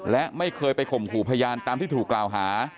และไม่เคยไปขมบีนะครับ